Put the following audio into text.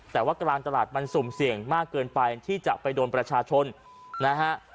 แต่ว่ากลางตลาดมันสุ่มเสี่ยงมากเกินไปที่จะไปโดนประชาชนนะฮะ